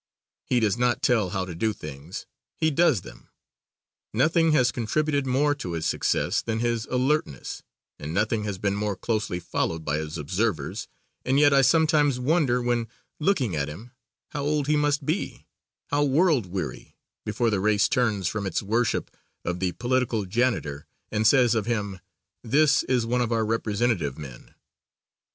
He does not tell how to do things, he does them. Nothing has contributed more to his success than his alertness, and nothing has been more closely followed by his observers, and yet I sometimes wonder when looking at him, how old he must be, how world weary, before the race turns from its worship of the political janitor and says of him, "this is one of our representative men."